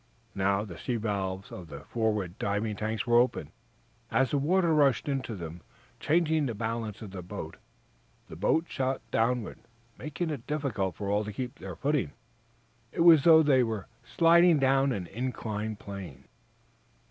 Now, the sea valves of the forward diving tanks were opened. As the water rushed into them, changing the balance of the boat, the bow shot downward, making it difficult for all to keep their footing. It was as though they were sliding down an inclined plane.